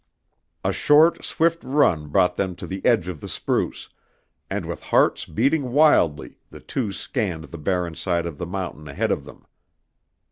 A short, swift run brought them to the edge of the spruce, and with hearts beating wildly the two scanned the barren side of the mountain ahead of them.